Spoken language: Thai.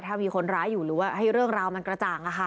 ถ้ามีคนร้ายอยู่หรือว่าให้เรื่องราวมันกระจ่าง